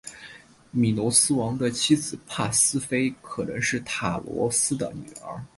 米诺斯王的妻子帕斯菲可能是塔罗斯的女儿。